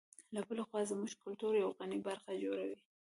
له بلې خوا زموږ کلتور یوه غني برخه جوړوي.